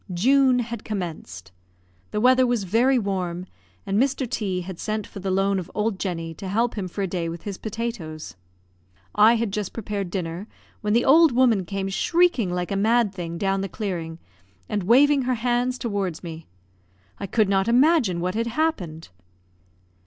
June had commenced; the weather was very warm, and Mr. T had sent for the loan of old Jenny to help him for a day with his potatoes. I had just prepared dinner when the old woman came shrieking like a mad thing down the clearing, and waving her hands towards me. I could not imagine what had happened.